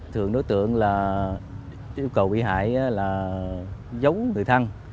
thường đối tượng là yêu cầu bị hại là giấu người thân